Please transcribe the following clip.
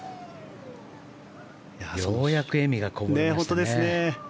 ようやく笑みがこぼれましたね。